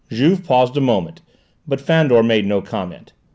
Juve paused a moment, but Fandor made no comment.